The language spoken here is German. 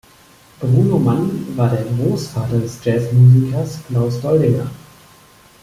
Bruno Mann war der Großvater des Jazzmusikers Klaus Doldinger.